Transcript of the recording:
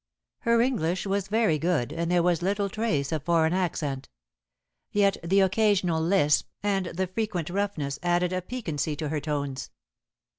Her English was very good, and there was little trace of a foreign accent. Yet the occasional lisp and the frequent roughness added a piquancy to her tones.